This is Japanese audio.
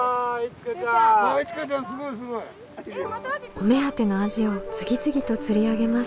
お目当てのアジを次々と釣り上げます。